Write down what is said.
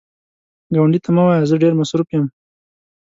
ګاونډي ته مه وایه “زه ډېر مصروف یم”